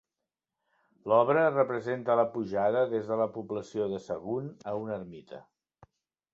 L'obra representa la pujada des de la població de Sagunt a una ermita.